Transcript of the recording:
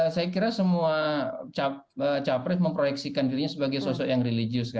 saya kira semua capres memproyeksikan dirinya sebagai sosok yang religius